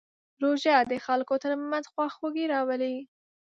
روژه د خلکو ترمنځ خواخوږي راولي.